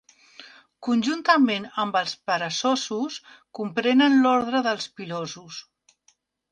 Conjuntament amb els peresosos, comprenen l'ordre dels pilosos.